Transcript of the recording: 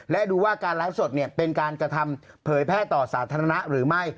และดูว่าการไลฟ์สดเป็นการกระทำเผยแพร่ต่อสาธารณะหรือไม่